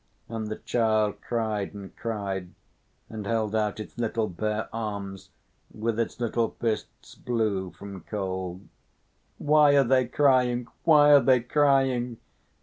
And the child cried and cried, and held out its little bare arms, with its little fists blue from cold. "Why are they crying? Why are they crying?"